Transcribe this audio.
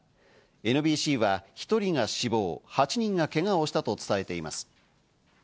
ＮＢＣは１人が死亡、８人がけがをしたと伝えています。